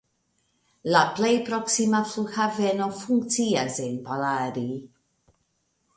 La plej proksima flughaveno funkcias en Ballari.